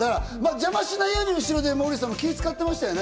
邪魔しないように、後ろでモーリーさんも気を遣ってましたね。